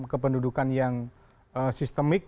kependudukan yang sistemik